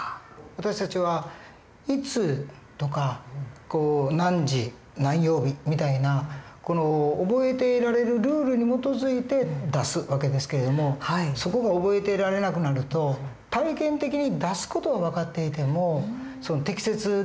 私たちはいつとか何時何曜日みたいな覚えていられるルールに基づいて出す訳ですけれどもそこが覚えていられなくなると体験的に出す事は分かっていても適切でなかったりする訳ですね。